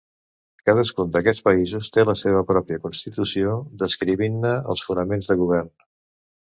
Cadascun d'aquests països té la seva pròpia constitució descrivint-ne els fonaments de govern.